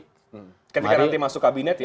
ketika nanti masuk kabinet ya